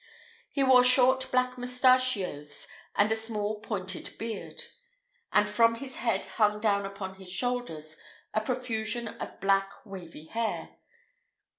He wore short black mustachios, and a small pointed beard; and from his head hung down upon his shoulders a profusion of black wavy hair.